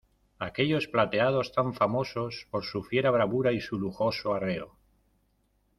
¡ aquellos plateados tan famosos por su fiera bravura y su lujoso arreo!